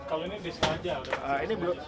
oh kalau ini disk saja